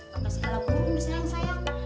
gak berisik sama burung sayang sayang